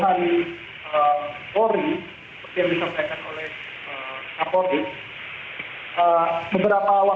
karena proses ini tidak hanya terkait dengan proses etik saja tapi memang harus dicorong ke ranah kepencanaan